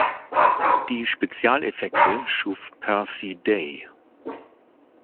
Die Spezialeffekte schuf Percy Day.